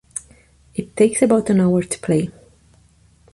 It takes about an hour to play.